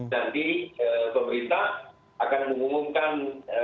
nanti pemerintah akan mengumumkan